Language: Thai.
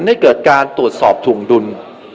ให้เกิดการตรวจสอบถวงดุล